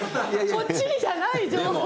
こっちにじゃない情報が。